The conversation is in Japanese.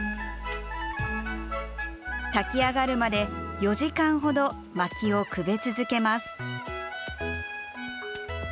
焚き上がるまで、４時間ほど薪をくべ続けます。